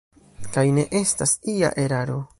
Kaj ne estas ia eraro.